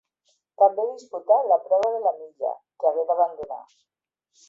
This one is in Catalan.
També disputà la prova de la milla, que hagué d'abandonar.